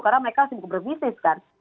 karena mereka harus berbisnis kan